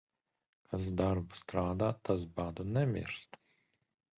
Kas darbu strādā, tas badu nemirst.